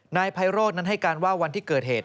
นายไพโรธนั้นให้การว่าวันที่เกิดเหตุ